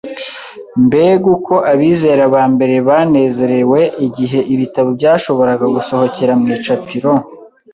Mbega uko abizera ba mbere banezerewe igihe ibitabo byashoboraga gusohokera mu icapiro